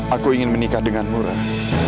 aku ingin menikah denganmu rah